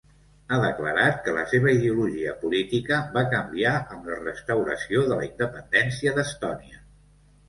Ha declarat que la seva ideologia política va canviar amb la restauració de la independència d'Estònia.